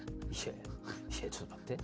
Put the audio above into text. いや、ちょっと待って。